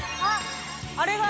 あれが。